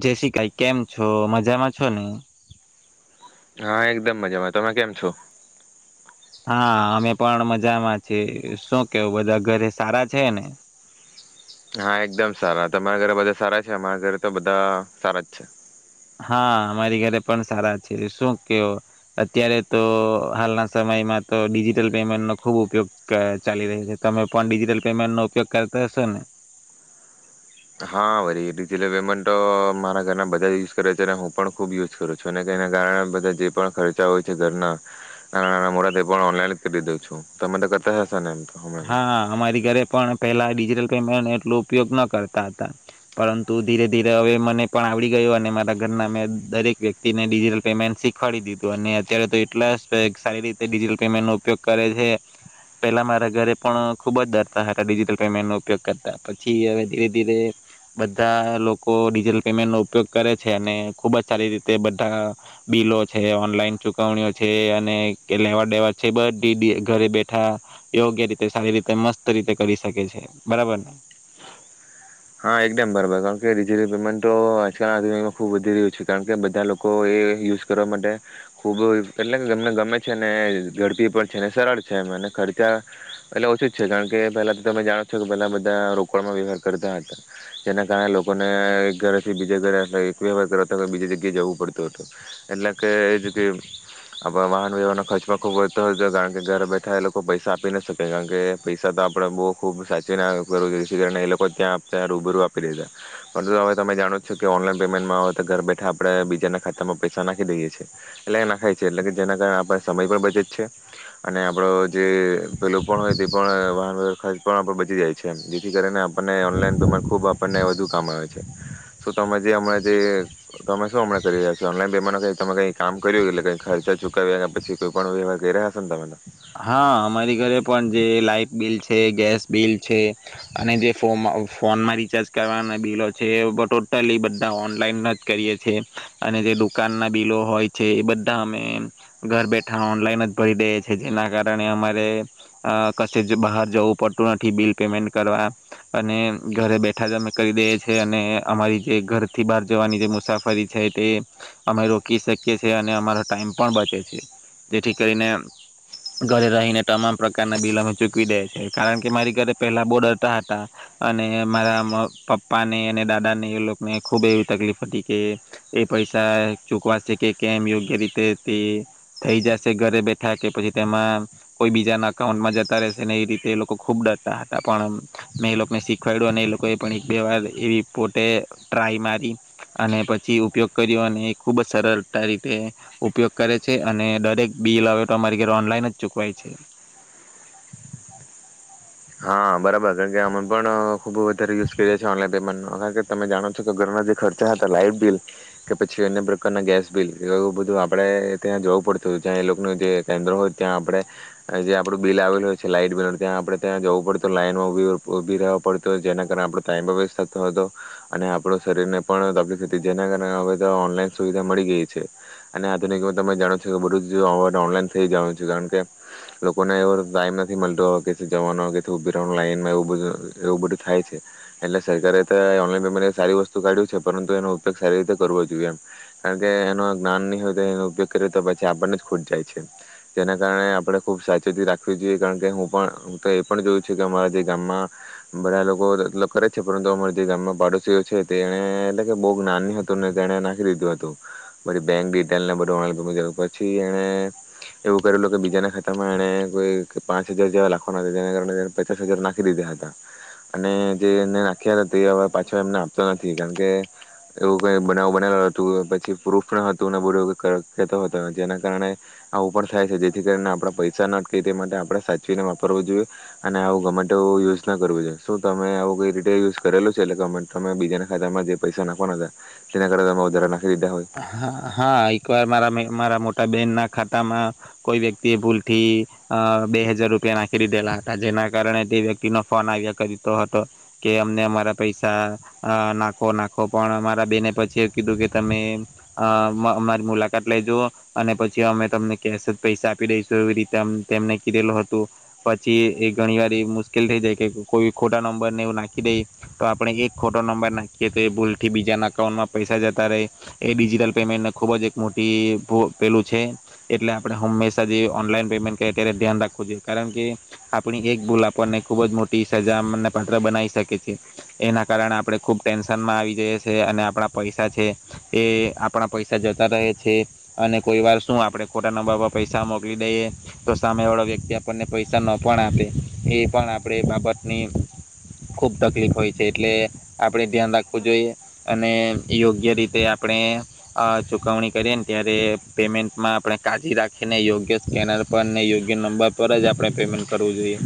જે શી કાઈ કેમ છો? મજામાં છો ને. હા એકદમ મજામાં. તમે કેમ છો? હા અમે પણ મજામાં છીએ. શું કેવું બધા ઘરે સારા છે ને? હા એકદમ સારા તમારા ઘરે બધા સારા છે અમારા ઘરે તો બધા સારા જ છે. હા મારી ઘરે પણ સારા છે શું કેવો અત્યારે તો હાલના સમયમાં તો ડિજિટલ પેમેન્ટનો ખુબ ઉપયોગ ચાલી રહ્યો છે તમે પણ ડિજિટલ પેમેન્ટનો ઉપયોગ કરતા હશો ને. હા ભરી ડિજિટલ પેમેન્ટ તો મારા ઘરના બધા જ યુઝ કરે છે અને હું પણ ખુબ યુઝ કરું છું અને કેના કારણે બધા જે પણ ખર્ચા હોય છે ઘરના નાના નાના મોડા એ પણ ઓનલાઈન કરી દઉં છું તમે તો કરતા હ હા અમારી ઘરે પણ પેલા ડિજિટલ પેમેન્ટ એટલો ઉપયોગ ન કરતા હતા. પરંતુ ધીરે ધીરે હવે મને પણ આવડી ગયો અને મારા ઘરના મેં દરેક વ્યક્તિને ડિજિટલ પેમેન્ટ શીખવાડી દીધું અને અત્યારે તો એટલા સારી રીતે ડિજિટલ પેમેન્ટનો ઉપયોગ કરે છે. પેલા મારે ઘરે પણ ખુબ જ ડરતા હતા ડિજિટલ પેમેન્ટ નો ઉપયોગ કરતા પછી હવે ધીરે ધીરે બધા લોકો ડિજિટલ પેમેન્ટ નો ઉપયોગ કરે છે ને ખુબ જ સારી રીતે બધા બિલો છે ઓનલાઈન ચુકવણીઓ છે અને લેવા દેવા છે બ ઘરે બેઠા યોગ્ય રીતે સારી રીતે મસ્ત રીતે કરી શકે છે. બરાબરને. હા એકદમ બરાબર કારણ કે ડિજીટલ પેમેન્ટ તો આજકાલ દુનમાં ખૂબ વધી રહ્યું છે કારણ કે બધા લોકો એ યુઝ કરવા માટે ખૂબ એટલે કે ગમને ગમે છે ને ઝડપી પણ છેને સરળ છે એમ અને ખર્ચા એટલે ઓછું જ છે કારણ કે પેલા તો તમે જાણો છો કે પેલા બધા રોકડમાં વ્યવહાર કરતા હતા. જેના કારણે લોકોને એક ઘરેથી બીજા ઘરે એક વ્યવહાર કરવાતા બીજી જગ્યા જવું પડતું હતું એટલે કે જે તે આપના વાહન વ્યવહારનો ખર્ચમાં ખુબ વધતો હતો કારણ કે ઘરે બેઠા એ લોકો પૈસા આપી ના શકે કારણ કે પૈસા તો આપડે બહુ ખુબ સાચવી ના કરવું જે કારણે એ લોકો ત્યાં ત્યા રુબ રુ આપી દેધા પરંતુ હવે તમે જાણો છો કે ઓનલાઈન પેમેન્ટમાં આવે તો ઘર બેઠા આપણે બીજાના ખાતામાં પૈસા નાખી દઈએ છીએ એટલે નાખાય છે એટલે કે જેના કારણે આપ સમય પણ બચે જ છે અને આપડો જે પેલું પણ હોય તે પણ વાહન વ્ય ખર્ચ પણ આપ બચી જાય છે જેથી કરીને આપણને ઓનલાઈન તમે આમ ખુબ આપણને વધુ કામ આવે છે શું તમે જે હમણાં જે તમે શું હમણા કરી રહ્યા છો ઓનલાઈન પેમાનો ક તમે કઈ કામ કર્યું એટલે કઈ ખર્ચા ચુકાવ્યા પછી કોઈ પણ વ્યવાર કરી રહ્યા છે તમે તો. હા અમારી ઘરે પણ જે લાઈફ બિલ છે. તે ગેસ બિલ છે અને જે ફો ફોનમાં રિચાર્જ કરવાના બિલો છે ટોટલી બધા ઓનલાઈન જ કરીએ છ છે અને જે દુકાન ના બિલો હોય છે એ બધા અમે ઘર બેઠા ઓનલાઈન જ ભરી દેએ છે. એના કારણે અમારે કશે જ બહાર જવું પડતું નથી બિલ પેમેન્ટ કરવા અને ઘરે બેઠા જ અમે કરી દઈએ છી અને અમારી જે ઘરથી બહાર જવાની જે મુસાફરી છે તે અમે રોકી શકીએ છેએ અને અમારો ટાઈમ પણ બચે છે. જેથી કરીને ઘરે રહીને તમામ પ્રકારના બિલ અમે ચૂકવી દે છે. કારણ કે મારી ઘરે પેલા બો ડરતા હતા અને મારા પપ્પાને અને દાદા ને એ લોકોને ખુબ એવી તકલીફ હતી કે એ પૈસા ચૂકવાશે કે કેમ યોગ્ય રીતે તે થઈ જશે ઘરે બેઠા કે પછી તેમાં કોઈ બીજાના અકાઉન્ટમાં જતા રહેશે ને એ રીતે એ લોકો ખૂબ ડરતા હતા પણ મેં એ લોકોને શીખવાડ્યું અને એ લોકો એ પણ એક બે વાર એવી પોતે ટ્રાય મારી અને પછી ઉપયોગ કર્યો અને એ ખુબ જ સરળતા રીતે ઉપયોગ કરે છે. અને દરેક બિલ હવે તમાંરી ઘરે ઓનલાઈન જ ચૂકવાય છે. હા, બરાબર કારણજ્યાં અમે પણ ખુબ વધારે યુઝ કરીએ છીએ ઓનલાઈન પેમેન્ટ. કારણ કે, તમે જાણો છો કે ઘરના જે ખર્ચા હતા લાઈટ બિલ કે પછી અન્ય પ્રકારના ગેસ બિલ એવું બધું આપડે ત્યાં જવું પડતું હતું જ્યાં એ લોકોનું જે કેન્દ્ર હોય ત્યાં આપડે જે આપડું બિલ આવેલું હોય છે લાઈટ બિલ ત્યાં આપડે ત્યાં જવું પડતું. લાઈનમાં ઉભી રેવું ઉભી રેવો પડતો. જેના કારણે આપણો ટાઈમ પણ વેસ્ટ થતો હતો. અને આપડો શરીરને પણ તકલીફ હતી. જેના કારણે હવે તો ઓનલાઈન સુવિધા મળી ગઈ છે. અને આધુનિકમાં તમે જાણો છો બધું જ હવે તો ઓનલાઈન થઈ જાનું છું. કારણ કે, લોકોને એવો ટાઈમ નથી મલતો કે જવાનો કે થો ઉભી રેવાના લાઈનમાં એવું બધું અ એવું બધું થાય છે. એટલે સરકારે તો ઓનલાઈન તો મારી સારી વસ્તુ કાઢ્યું છે. પરંતુ, એનો ઉપયોગ સારી રીતે કરવો જોઈએ એમ કારણ કે એનો જ્ઞાન નહી હોય તો એનો ઉપયોગ કરીએ તો પછી આપણને જ ખૂટ જાય છે. જેના કારણે આપણે ખુબ સાવચેતી રાખવી જોઈએ કારણ કે હું પણ હું તો એ પણ જોયું છે કે અમારા જે ગામમાં બધા લોકો લ કરે છે. પરંતુ અમારા જે ગામમાં પાડોશીઓ છે તે એને એટલે કે બહુ નાની હતુંને તેને નાખી દીધું હતું. બધી બેંક ડિટેલને બધું [unintelligible] પછી એણે એવું કરેલુ કે બીજાના ખાતામાં એને કોઈ પાંચ હજાર જેવા લાખો [unintelligible] જેના કારણે પચાસ હજાર નાખી દીધા હતા. અને જે એને નાખ્યા હતા તે હવે પાછો એમને આપતો નથી. કારણ કે, એવું કઈ બનાવ બનેલ હતું. પછી પ્રૂફ ન હતું, અને બોલો એવું કેતો હતો. જેના કારણે આવુ પણ થાય છે. જેથી કરીને આપણે પૈસા નાખી તે માટે આપણે સાચવીને કરવુ જોઈએ. અને આવું ગમે ટેવું યુઝ ના કરવું જોઈએ. શું તમે આવું કોઈ રિટેલ યુઝ કરેલું છે. એટલે ગમે તમે બીજાના ખાતામાં જે પૈસા નાખવાના હતા, તેના કારણે તમે વધારાના હા હા. એક વાર મારા મઈ મારા મોટ તા બેનના ખાતામાં કોઈ વ્યક્તિએ ભૂલથી અ બે હજાર રૂપિયા નાખી દીધેલા હતા. જેના કારણે તે વ્યક્તિનો ફોન આવ્યા કરીતો હતો. કે અમને અમારા પૈસા અ નાખો નાખો પણ અમારા બેને પછી એ કીધું કે તમે અ અમા અમારી મુલાકાત લઈ જુઓ. અને પછી અમે તમને કેશ જ પૈસા આપી દઈશું. એવી રીતે અમ તેમને કીધેલુ હતું. પછી, એ ઘણીવાર એ મુશ્કેલ થઈ જાય કે કોઈ ખોટા નંબરને એવું નાખી દઈએ તો આપણે એક ખોટો નંબર નાખીએ તો એ ભૂલથી બીજાના અકાઉન્ટમાં પૈસા જતા રહે એ ડિજીટલ પેમેન્ટને ખુબ જ એક મોટી ભૂ પેલું છે. એટલે આપણે હંમેશા જે ઓનલાઈન પેમેન્ટ કે કરીએ ત્યારે ધ્યાન રાખવું જોઈએ. કારણ કે, આપણી એક ભૂલ આપણને ખુબ જ મોટી સજાને પાત્ર બનાવી શકે છે. એના કારણે આપણે ખૂબ ટેન્શનમાં આવી જઈએ છે. અને આપણા પૈસા છે એ આપણા પૈસા જતા રહે છે. અને કોઈ વાર શું આપણે ખોટા નંબર પર પૈસા મોકલી દઈએ તો સામેવાળો વ્યક્તિ આપણને પૈસા ન પણ આપે. એ પણ આપણે બાબતની ખૂબ તકલીફ હોય છે. એટલે આપણે ધ્યાન રાખવું જોઈએ. અને યોગ્ય રીતે આ આપણે અ ચુકવણી કરીએ ન ત્યારે એ પેમેન્ટમાં આપણે કાળજી રાખીને યોગ્ય સ્કેનર પરને યોગ્ય નંબર પર જ આપણે પેમેન્ટ કરવું જોઈએ.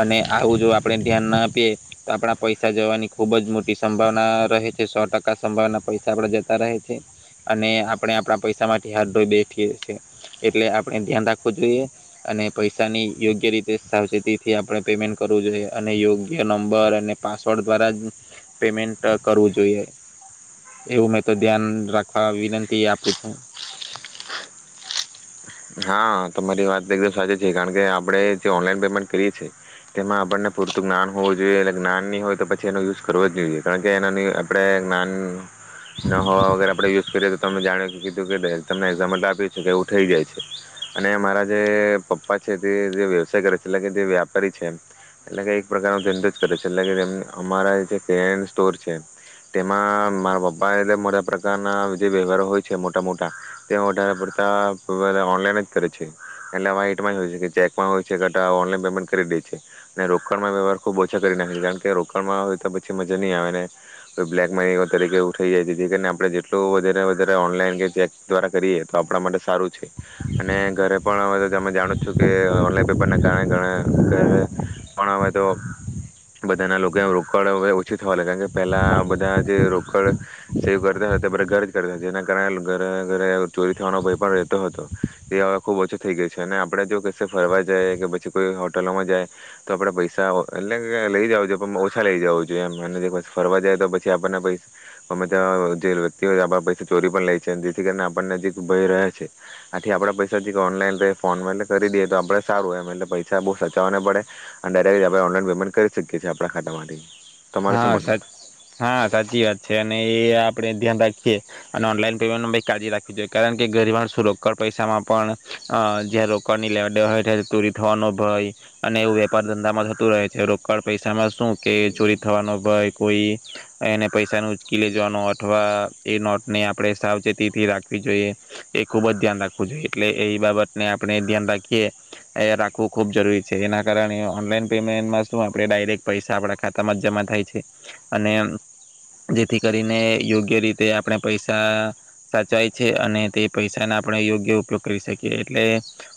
અને આવું જો આપણે ધ્યાન ના આપીએ તો આપણા પૈસા જવાની ખૂબ જ મોટી સંભાવના રહે છે. સો ટકા સંભાવના પૈસા આપણે જત કરાય છે. અને આપણે આપણા પૈસામાંથી હાથ ધોય બેઠીએ છીએ. એટલે આપણે ધ્યાન રાખવું જોઈએ. અને પૈસાની યોગ્ય રીતે સાવચેતીથી આપણે પેમેન્ટ કરવુ જોઈએ. અને યોગ્ય નંબર અને પાસવર્ડ દ્વારા જ પેમેન્ટ ક કરવું જોઈએ. એવું મે તો ધ્યાન રાખવા વિનંતી આપું છું. હા, તમારી વાત એકદમ સાચી છે. કારણ કે, આપણે જે ઓનલાઈન પેમેન્ટ કરીએ છીએ. તેમાં આપણને પૂરતું જ્ઞાન હોવું જોઈએ એટલે જ્ઞાન નહી હોય તો પછી એનો યુઝ કરવો જ જોઈએ. કારણ કે એના નઈ આપણે જ્ઞાન ન હોવા વગેરે આપણે યુઝ કરીએ તો તમે જાણ્યું કે કીધું કે ડેહ તમને એક્ઝામ્પલ તો આપ્યું છે કે એવું થઈ જાય છે. અને મારા જે પપ્પા છે તે જે વ્યવસાય કરે છે, એટલે કે જે વ્યાપારી છે, એટલે કે એક પ્રકારનો ધંધો જ કરે છે, એટલે કે એમ અમારા એટલે પેરેન સ્ટોર છે, તેમાં મારા પપ્પાએ મોટા પ્રકારના જે વ્યવહારો હોય છે, મોટા મોટા તે વધારે પડતા [unintelligible] ઓનલાઈન જ કરે છે, એટલે આવા એટમાં જ હોય છે, કે ચેકમાં હોય છે કે કટા ઓનલાન પેમેન્ટ કરી દે છે, અને રોકડમાં વ્યવહાર ખુબ ઓછા કરી નાખે છે, કારણ કે રોકડમાં હોય તો પછી મજા નહીં આવે ને તો બ્લેક મની તરીકે થઈ જાય છે, જે કરીને આપણે જેટલું વધારે વધારે ઓનલાઈન કે ચેક દ્વારા કરીએ તો આપણા માટે સારૂ છે, અને ઘરે પણ હવે તો તમે જાણો છો કે ઓનલાઈન પેપરના કારણે ઘણે ઘરે પણ આવે તો બધાના લોકો રોકડ [unintelligible] ઓછી થવા લાગે કારણ કે પેલા બધા જે રોકડ સેવ કરતા હતા, બધા ઘરે જ કરતા હતા, જેના કારણે ઘરે ઘરે ચોરી થવાનો ભય પણ રહે તો હતો, જે હવે ખૂબ ઓછું થયો ગયું છે. અને આપણે જો કશે ફરવા જઇએ કે પછી કોઈ હોટલમાં જઈએ તો આપણા પૈસા આવે તો એટલે કે લઈ જાઓ જો પણ ઓછા લઈ જાઓ જોઈએ એમ અને એક વખત ફરવા જઇએ તો પછી આપણને પૈસ બધા જે વ્યક્તિ ઓ ચોરી પણ લે છે જેથી કરીને આપણને એક ભય રહે છે. આથી આપડા પૈસા જે ઓનલાઈન કે ફોન એટલે કરી દેએ તો આપડે સારું એમ એટલે પૈસા બહુ સાચવવા ના પડે અને ડાયરેક્ટ આપણે ઓનલાઈન પેમેન્ટ કરી શકીએ છીએ, આપણા ખાતામાંથી. તમારે શું હા, માનવું સાચ હા, સાચી વાત છે, અને એ આપ આપણે ધ્યાન રાખીએ અને ઓનલાઈન પેમેન્ટમાં કાળજી રાખવી જોઈએ, કારણ કે ગરીવાર શું રોકડ પૈસામાં પણ અ જે રોકડની લેવડદેવડ હોય [unintelligible] ચોરી થવાનો ભય અને એવું વેપાર ધંધામાં થતું રહે છે, રોકડ પૈસામાં શું કે ચોરી થવાનો ભય કોઈ એને પૈસા ન ઉચકી લઈ જવાનો અથવા એ નોટને આપડે સાવચેતીથી રાખવી જોઈએ, એ ખુબ જ ધ્યાન રાખવું જોઈએ, એટલે એ બાબતને આપણે ધ્યાન રાખીએ એ રાખવું ખૂબ જરૂરી છે, એના કારણે ઓનલાઈન પેમેન્ટમાં શું આપણે ડાયરેક્ટ પૈસા આપણા ખાતા તામાં જમા થાય છે, અને જેથી કરીને યોગ્ય રીતે આપણે પૈસા સાચાય છે, અને તે પૈસાના આપણે યોગ્ય ઉપયોગ કરી શકીએ, એટલે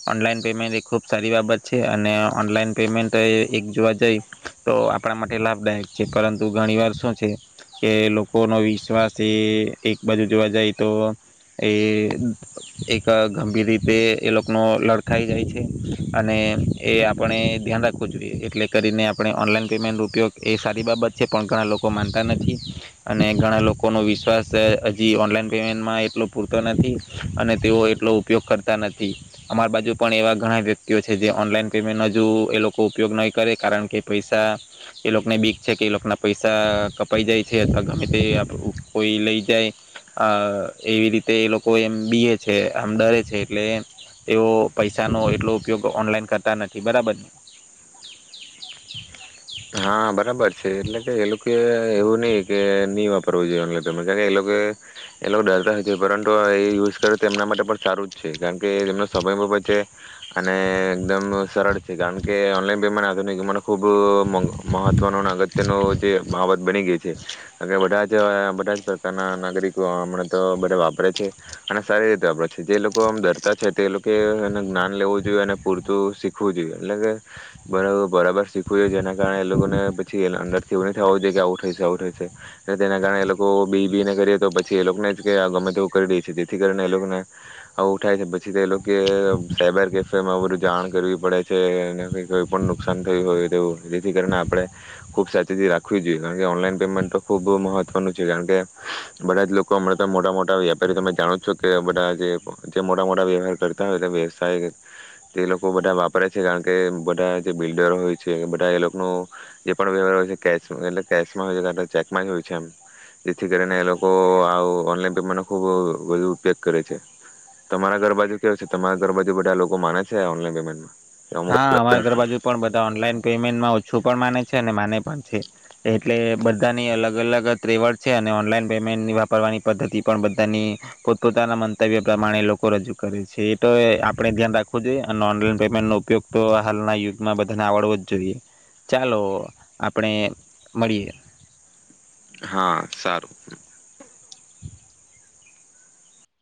ઓનલાઈન પેમેન્ટ એ ખુબ સારી બાબત છે, અને ઓનલાઈન પેમેન્ટ એ એક જોવા જઈ તો આપણા માટ એ લાભદાયક છે, પરંતુ ઘણી વાર શું છે, કે લોકોનો વિશ્વાસ છે એ એક બાજુ જોવા જાય તો એ એક ગંભીર રીતે એ લોકોનો લડખાઈ જાય છે, અને એ આપણે ધ્યાન રાખવું જોઈએ, એટલે કરીને આપણે ઓનલાઈન પેમેન્ટ રૂ ત્યોક એ સારી બાબત છે, પણ ઘણા લોકો માનતા નથી, અને ઘણા લોકોનો વિશ્વાસ હજી ઓનલાઈન પેમેન્ટમાં એટલો પૂરતો નથી, અને તેઓ એટલો ઉપયોગ કરતા નથી. અમાર બાજુ પણ એવા ઘણાય વ્યક્તિઓ છે, જે ઓનલાઈન પેમેન્ટ હજુ એ લોકો ઉપયોગ નહી કરે, કારણ કે પૈસા એ લોકને બીક છે, કે એ લોકોના પૈસા કપાઈ જાય છે, અથવા ગમે તે કોઈ લઈ જાય અ એવી રીતે એ લોકો એમ બીએ છે, આમ ડરે છે, એટલે એ પૈસાનો એટલો ઉપયોગ ઓનલાઈન કરતા નથી, બરાબરને. હા, બરાબર છે, એટલે કે એ લોકો એવું નહી કે ની વાપરવું જોઈએ ઓનલાઈન પેમેન્ટ કારણ કે એ લોકો એ લોકો ડરતા નથી, પરંતુ એ યુઝ કરે તો એમના માટે પણ સારું જ છે, કારણ કે એમનો સમય પણ બચે અને એકદમ સરળ છે, કારણ કે ઓનલાઈન પેમેન્ટ આધુનિક મને ખૂબ મોંધ મહત્વનો ન અગત્યનો જે બાબત બની ગઈ છે, બધા જ બધા જ પ્રકારના નાગરિકો હમણાં તો બધા વાપરે છે, અને સારી રીતે વાપરે છે, જે લોકો આમ ડરતા છે, તે લોકોએ હન જ્ઞાન લેવું જોઈએ, અને પૂરતું શીખવું જોઈએ, એટલે કે બરા બરાબર શીખવું જોઈએ જેના જાણે એ લોકોને પછી અંદરથી એવું ન થવો જોઈએ કે આવું ઠયુ છે, આવું ઠયુ છે, તેના કારણે એ લોકો બી બી ને કરીએ તો પછી એ લોકોને જ કે ગમે તેવું કરી દે છે, જેથી કરીને એ લોકોને આવું ઠાય છે, પછી તે લોકોએ સાયબર કેફેમાં આવું બધુ જાણ કરવી પડે છે, [unintelligible] કોઈ પણ નુકસાન થયું હોય તેવું જેથી કરીને આપણે ખુબ સાવચેતી રાખવી જોઈએ, કારણ કે, ઓનલાઈન પેમેન્ટ તો ખુબ મહત્વનું છે, કારણ કે બધા જ લોકો હમણાં તો મોટા મોટા વ્યાપારી તમે જાણો છો કે બધા જે મોટા મોટા વ્યવહાર કરતા હોય તો વ્યવસાય તે લોકો બધા વાપરે છે, કારણ કે બધા જે બિલ્ડરો હોય છે. બધ ત્યાં એ લોકનો જે પણ વ્યવહાર હોય છે, કેશ એટલે કેશમાં હોય છે, [unintelligible] ચેકમાં જ હોય છે, એમ જેથી કરીને એ લોકો આવું ઓનલાઈન પેમેન્ટનો ખુબ વધુ ઉપયોગ કરે છે, તમારા ઘરબાજુ ક્યો છે, તમારા ઘરબાાજુ બધા લોકો માને છે, ઓનલાઈન પેમેન્ટમાં. હા, અમારા ઘરબાજુ પણ બધા ઓનલાઈન પેમેન્ટમાં હજ શું પણ માને છે, અને માને પણ છે, એટલે બધાની અલગ અલગ ત્રેવડ છે, અને ઓનલાઈન પેમેન્ટની વાપરવાની પદ્ધતિ પણ બધાની પોતપોતાના મંતવ્ય પ્રમાણે લોકો રજૂ કરે છે, એ તો એ આપણે ધ્યાન રાખવું જોઈએ, અને ઓનલાઈન પેમેન્ટનો ઉપ પયોગ તો હાલના યુગમાં બધાને આવડવો જ જોઈએ. ચાલો, આપણે મળીએ. હા, સારું.